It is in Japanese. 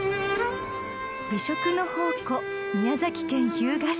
［美食の宝庫宮崎県日向市］